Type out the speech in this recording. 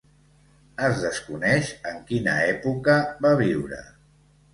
Es desconeix en quina època va viure.